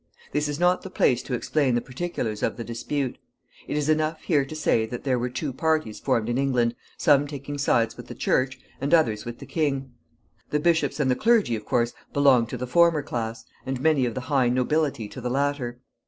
This is not the place to explain the particulars of the dispute. It is enough here to say that there were two parties formed in England, some taking sides with the Church, and others with the king. The bishops and clergy, of course, belonged to the former class, and many of the high nobility to the latter.